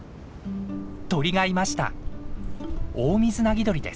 鳥がいました。